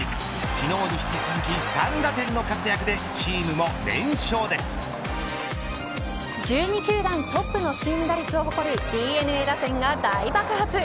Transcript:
昨日に引き続き３打点の活躍で１２球団トップのチーム打率を誇るＤｅＮＡ打線が大爆発。